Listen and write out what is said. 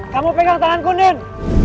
kamu pegang tanganku nien